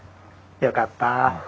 よかった。